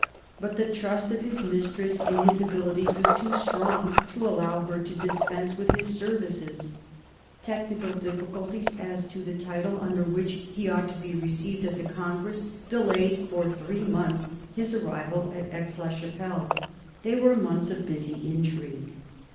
But the trust of his mistress in his abilities was too strong to allow her to dispense with his services. Technical difficulties as to the title under which he should be received at the congress delayed for three months his arrival at Aix la Chapelle. They were months of busy intrigue.